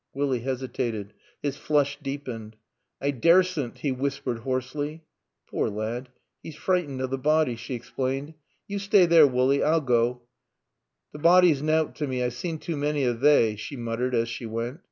Willie hesitated. His flush deepened. "I daarss'nt," he whispered hoarsely. "Poor laad, 'e 's freetened o' t' body," she explained. "Yo stay there, Wullie. I'll goa. T' body's nowt to me. I've seen too many o' they," she muttered as she went.